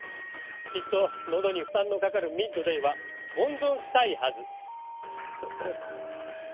きっと喉に負担のかかる『ＭＩＤＤＡＹ』は温存したいはず。